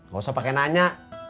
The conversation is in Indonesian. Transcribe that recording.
gak usah pake nanya